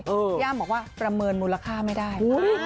พี่อ้ำบอกว่าประเมินมูลค่าไม่ได้